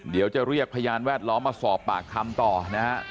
เดี๋ยวจะเรียกพยานแวดล้อมมาสอบปากคำต่อนะฮะ